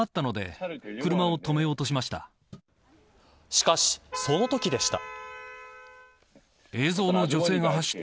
しかし、そのときでした。